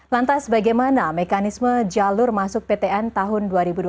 lantas bagaimana mekanisme jalur masuk ptn tahun dua ribu dua puluh